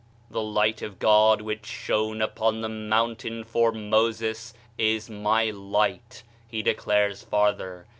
"The light of God which shone upon the mountain for Moses is my light," he declares farther.